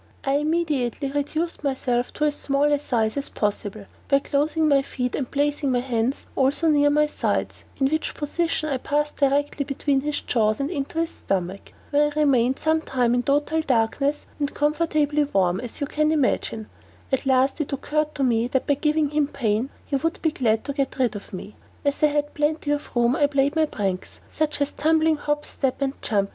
I immediately reduced myself to as small a size as possible, by closing my feet and placing my hands also near my sides, in which position I passed directly between his jaws, and into his stomach, where I remained some time in total darkness, and comfortably warm, as you may imagine; at last it occurred to me, that by giving him pain he would be glad to get rid of me: as I had plenty of room, I played my pranks, such as tumbling, hop, step, and jump, &c.